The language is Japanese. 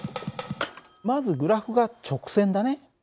まずグラフが直線だね。